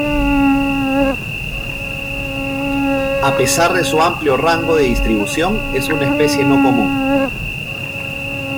A pesar de su amplio rango de distribución, es una especie no común.